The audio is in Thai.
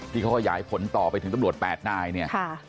ที่เขาขยายผลต่อไปถึงตำรวจ๘นายเนี่ย